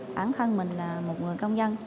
bản thân mình là một người công dân